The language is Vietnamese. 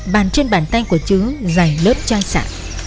bàn trên bàn tay của chứa dày lớp chai sạ